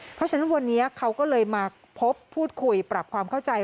เพราะฉะนั้นวันนี้เขาก็เลยมาพบพูดคุยปรับความเข้าใจ